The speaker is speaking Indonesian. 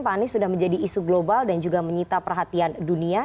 pak anies sudah menjadi isu global dan juga menyita perhatian dunia